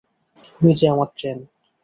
ঐ যে আমার ট্রেন।